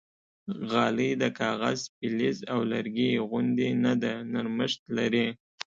غالۍ د کاغذ، فلز او لرګي غوندې نه ده، نرمښت لري.